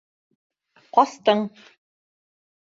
Ҡастың.